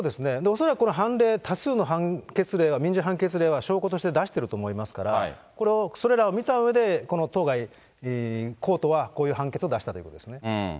恐らくこれ、判例、多数の判決例は民事判決例は証拠として出してると思いますから、それらを見たうえで、この当該こうとはこういう判決を出したということですね。